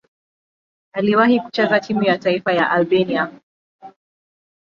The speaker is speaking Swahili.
Aliwahi kucheza timu ya taifa ya Albania.